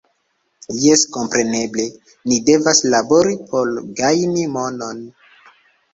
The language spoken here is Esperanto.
Jes kompreneble ni devas labori por gajni monon